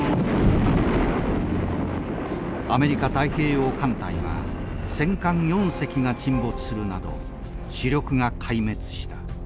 アメリカ太平洋艦隊は戦艦４隻が沈没するなど主力が壊滅した。